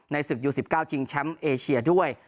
ศึกยู๑๙ชิงแชมป์เอเชียด้วย